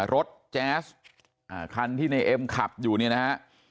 แจ๊สคันที่ในเอ็มขับอยู่เนี่ยนะฮะ